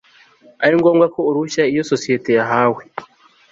ari ngombwako uruhushya iyo sosiyete yahawe